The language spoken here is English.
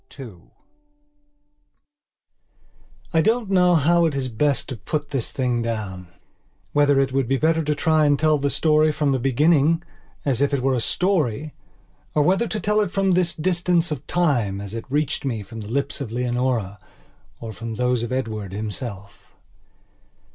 II I DON'T know how it is best to put this thing downwhether it would be better to try and tell the story from the beginning, as if it were a story; or whether to tell it from this distance of time, as it reached me from the lips of Leonora or from those of Edward himself.